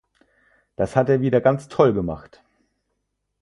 Das hat er wieder ganz toll gemacht.